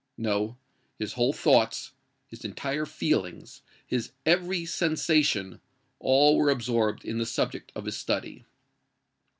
No:—his whole thoughts—his entire feelings—his every sensation,—all were absorbed in the subject of his study.